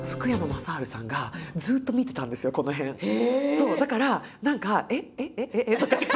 そうだから何かえっえっえっとかって。